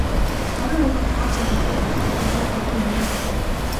Ховын үгэнд хол ойр гэж үгүй, хорт могойд бүдүүн нарийн гэж үгүй.